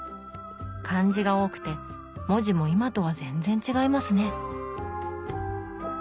漢字が多くて文字も今とは全然違いますね。